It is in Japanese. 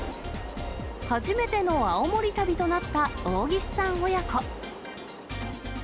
初めての青森旅となった大岸さん親子。